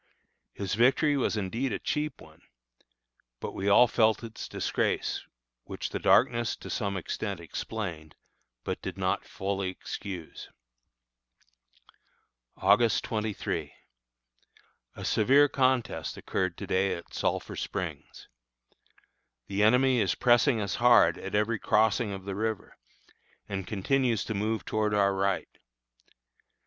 His victory was indeed a cheap one, but we all felt its disgrace, which the darkness to some extent explained, but did not fully excuse. August 23. A severe contest occurred to day at Sulphur Springs. The enemy is pressing us hard at every crossing of the river, and continues to move towards our right.